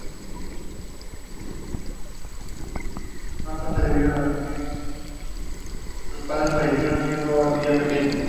Takuya Okamoto